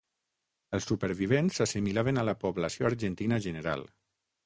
Els supervivents s'assimilaven a la població argentina general.